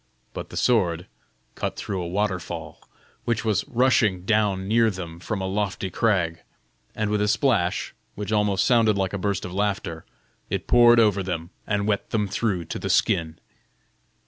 But the sword cut through a waterfall, which was rushing down near them from a lofty crag; and with a splash, which almost sounded like a burst of laughter, it poured over them and wet them through to the skin.